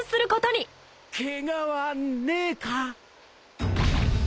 ケガはねえか？